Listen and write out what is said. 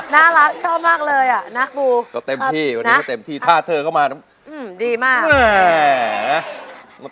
น่ารักชอบมากเลยอะนะปู